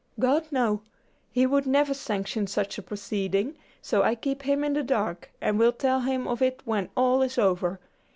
"God! no; he would never sanction such a proceeding, so I keep him in the dark, and will tell him of it when all is over.